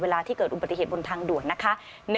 ที่เกิดอุบัติเหตุบนทางด่วนนะคะ